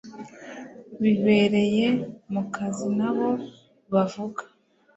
bibereye mukazinabo bavuga